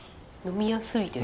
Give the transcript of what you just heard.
呑みやすいです。